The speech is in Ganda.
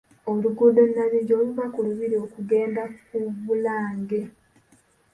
Oluguudo Nnabingi oluva ku lubiri okugenda ku Bulange .